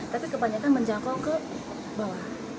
tapi kebanyakan menjangkau ke bawah